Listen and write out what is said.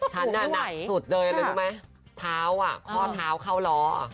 ฉันน่ะหนักสุดเลยเข้าข้อเท้าเข้าร้อ